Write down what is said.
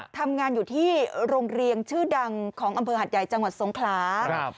ทำงานอยู่ที่โรงเรียงชื่อดังของอำเภอหัทยายจังหวัดทรงคลา